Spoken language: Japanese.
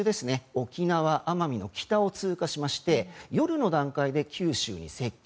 沖縄・奄美の北を通過して夜の段階で九州に接近。